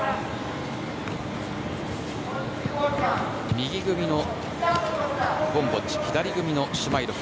右組みのゴムボッチと左組みのシュマイロフ。